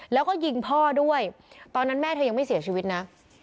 แล้วก็ยิงพ่อด้วยตอนนั้นแม่เธอยังไม่เสียชีวิตนะ